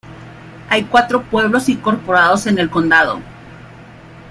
Hay cuatro pueblos incorporados en el condado.